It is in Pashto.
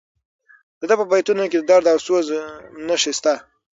د ده په بیتونو کې د درد او سوز نښې شته.